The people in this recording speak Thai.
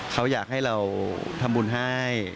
เขาอยากให้เราทำบุญให้